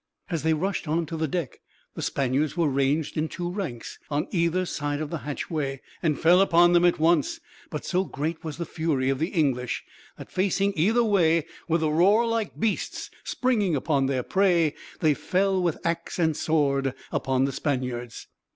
As they rushed on to the deck, the Spaniards were ranged, in two ranks, on either side of the hatchway; and fell upon them at once; but so great was the fury of the English that, facing either way, with a roar like beasts springing on their prey, they fell with axe and sword upon the Spaniards.